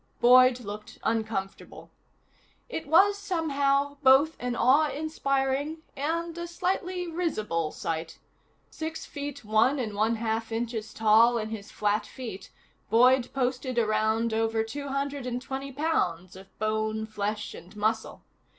Boyd looked uncomfortable. It was, somehow, both an awe inspiring and a slightly risible sight. Six feet one and one half inches tall in his flat feet, Boyd posted around over two hundred and twenty pounds of bone, flesh and muscle.